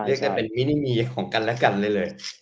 เรียกได้เป็นมินิมีของกันและกันได้เลย